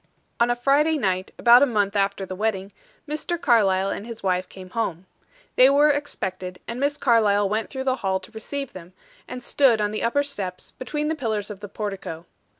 On a Friday night, about a month after the wedding, Mr. Carlyle and his wife came home. They were expected, and Miss Carlyle went through the hall to receive them, and stood on the upper steps, between the pillars of the portico.